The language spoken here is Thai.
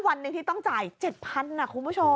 วันหนึ่งที่ต้องจ่าย๗๐๐นะคุณผู้ชม